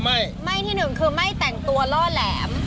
ไม่ไม่ที่หนึ่งคือไม่แต่งตัวล่อแหลม